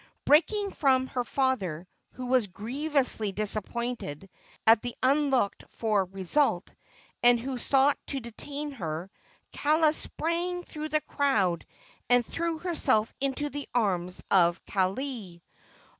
Breaking from her father, who was grievously disappointed at the unlooked for result, and who sought to detain her, Kaala sprang through the crowd and threw herself into the arms of Kaaialii.